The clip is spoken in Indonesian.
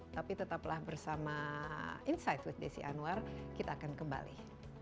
tapi tetaplah bersama insight with desi anwar kita akan kembali